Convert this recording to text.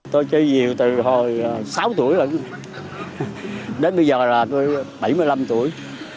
tôi chơi diều từ hồi sáu tuổi đến bây giờ là tôi bảy mươi năm tuổi